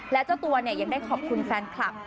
และเจ้าตัวยังได้ขอบคุณแฟนคลับ